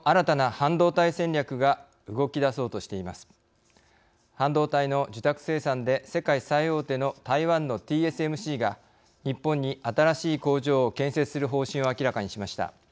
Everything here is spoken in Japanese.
半導体の受託生産で世界最大手の台湾のＴＳＭＣが日本に新しい工場を建設する方針を明らかにしました。